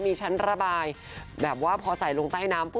มีชั้นระบายแบบว่าพอใส่ลงใต้น้ำปุ